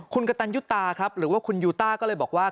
คุณกระตันยุตาครับหรือว่าคุณยูต้าก็เลยบอกว่า